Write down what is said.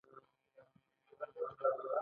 یا هم کېدای شي دولت وي.